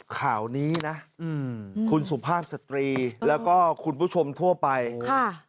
ข่าวนี้นะอืมคุณสุภาพสตรีแล้วก็คุณผู้ชมทั่วไปค่ะ